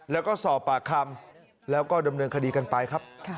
แล้วก็สอบปากคำแล้วก็ดำเนินคดีกันไปครับ